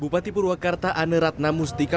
bupati purwakarta ane ratnamustika